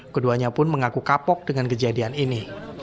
keduanya pun mengaku kapok dengan kejadian ini